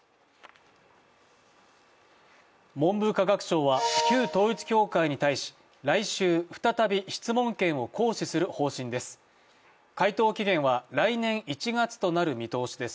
文部科学省は旧統一教会に対し、来週再び質問権を行使する方針です。